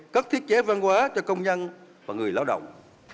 các thiết chế văn hóa cho công nhân và người lao động